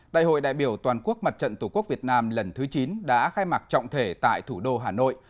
đại hội đại biểu toàn quốc mặt trận tổ quốc việt nam lần thứ chín đã khai mạc trọng thể tại thủ đô hà nội